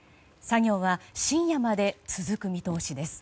作業は深夜まで続く見通しです。